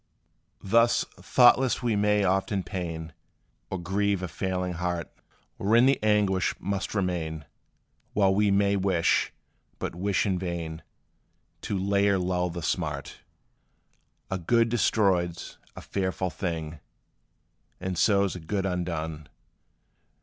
Thus, thoughtless we may often pain Or grieve a feeling heart, Wherein the anguish must remain, While we may wish, but wish in vain, To lay or lull the smart. A good destroyed 's a fearful thing, And so 's a good undone!